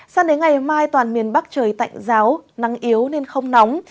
sang đến ngày mai toàn miền bắc trời tạnh giáo nắng yếu nên không nóng